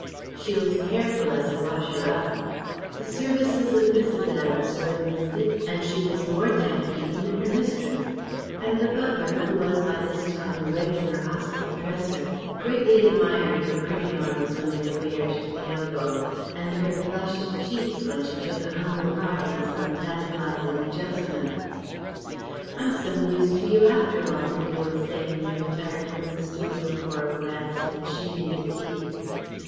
She was careful as a washer up. The services of Mrs. Adams were enlisted, and she was more deft even than her mistress; and the butler, who was by this time a regular hospital dresser, greatly admired her pretty arms when they were bared to the elbow, and her flushed cheeks when she took a humble part in some tantalizing adjustment. "I'm some use to you after all," Linda would say when they retired from the studio for a rest and she made the tea.